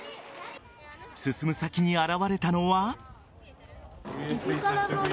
進む先に現れたのは。